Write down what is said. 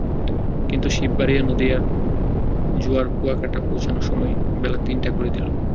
কিন্তু শিববাড়িয়া নদীর জোয়ার কুয়াকাটা পৌঁছানোর সময়টাকে বেলা তিনটা করে দিল।